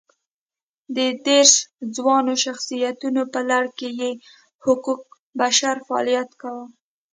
د دېرش ځوانو شخصیتونو په لړ کې یې حقوق بشر فعالیت کاوه.